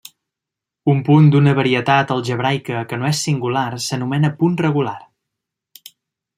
Un punt d'una varietat algebraica que no és singular s'anomena punt regular.